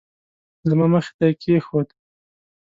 زما مخې ته یې کېښود.